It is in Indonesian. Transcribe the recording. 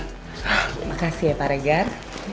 terima kasih ya pak regar